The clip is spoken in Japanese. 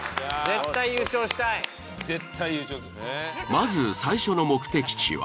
まず最初の目的地は。